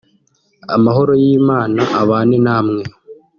Amahoro y’Imana abane namwe